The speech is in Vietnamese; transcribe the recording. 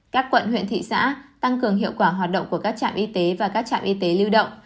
các quận huyện thị xã tăng cường hiệu quả hoạt động của các trạm y tế và các trạm y tế lưu động